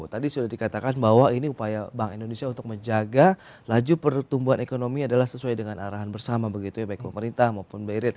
tadi sudah dikatakan bahwa ini upaya bank indonesia untuk menjaga laju pertumbuhan ekonomi adalah sesuai dengan arahan bersama begitu ya baik pemerintah maupun birit